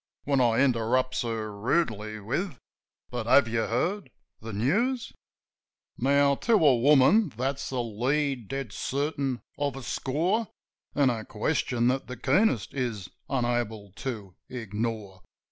When I interrupts her rudely with, "But have you heard the news ?" Now, to a woman, that's a lead dead certain of a score. An' a question that the keenest is unable to ignore.